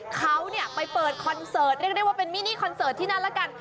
เขาเนี่ยไปเปิดคอนเสิร์ตเรียกได้ว่าเป็นมินิคอนเสิร์ตที่นั่นแล้วกัน